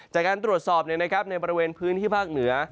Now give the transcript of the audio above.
จากการตรวจสอบในบริเวณพื้นที่ภาคเหนือ